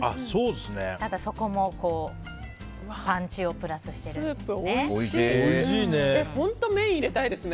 そこもパンチをプラスしているんですね。